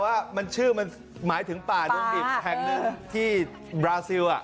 ว่ามันชื่อเหมาะถึงป่ากริมที่บราซิลอ่ะ